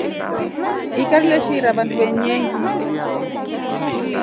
Ikari leshiira vandu veengi.